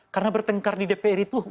karena bertengkar di dpr itu